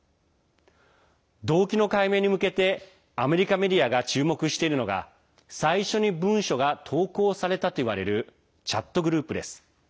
動機の解明に向けてアメリカメディアが注目しているのが最初に文書が投稿されたといわれるチャットグループです。